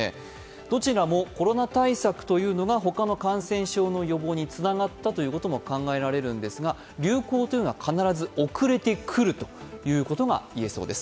どちらもコロナ対策が他の感染症の予防につながったということも考えられるんですが、流行というのは必ず遅れてくるということが言えそうです。